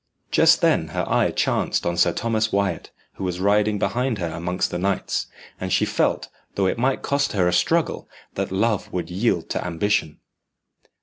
Just then her eye chanced on Sir Thomas Wyat, who was riding behind her amongst the knights, and she felt, though it might cost her a struggle, that love would yield to ambition.